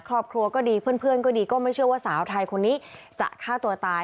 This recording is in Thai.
ครอบครัวก็ดีเพื่อนก็ดีก็ไม่เชื่อว่าสาวไทยคนนี้จะฆ่าตัวตาย